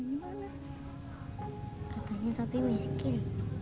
katanya tapi meskin